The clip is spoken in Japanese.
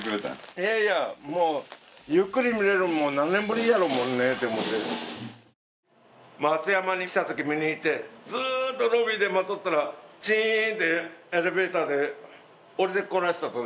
いやいやもうゆっくり見れるの何年ぶりやろもんねて思うて松山に来た時見に行ってずーっとロビーで待っとったらチーンってエレベーターで降りてこらしたとですよで